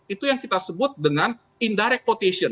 itu yang kita sebut dengan indirect potation